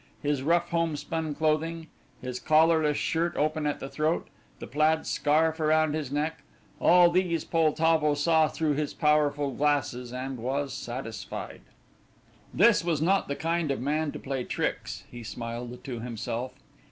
His rough homespun clothing, his collarless shirt open at the throat, the plaid scarf around his neck, all these Poltavo saw through his powerful glasses and was satisfied. This was not the kind of man to play tricks, he smiled to himself.